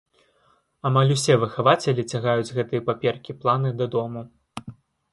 Амаль усе выхавацелі цягаюць гэтыя паперкі-планы дадому.